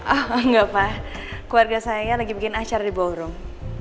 oh enggak pak keluarga saya lagi bikin acara di ballroom